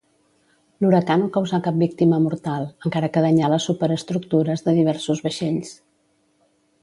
L'huracà no causà cap víctima mortal, encara que danyà les superestructures de diversos vaixells.